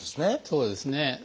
そうですね。